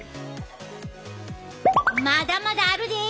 まだまだあるで！